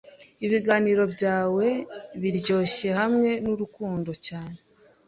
Ibiganiro byawe biryoshye hamwe n'urukundo cyane